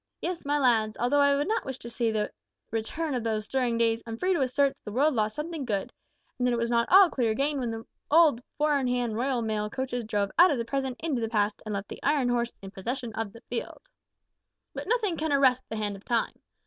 Yes, my lads, although I would not wish to see the return of those stirring days, I'm free to assert that the world lost something good, and that it was not all clear gain when the old four in hand Royal Mail coaches drove out of the present into the past, and left the Iron Horse in possession of the field. "But nothing can arrest the hand of Time.